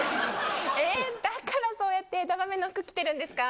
えー、だからそうやって枝豆の服着てるんですか？